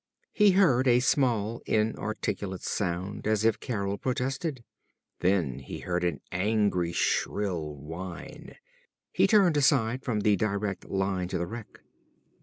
He heard a small, inarticulate sound, as if Carol protested. Then he heard an angry shrill whine. He'd turned aside from the direct line to the wreck.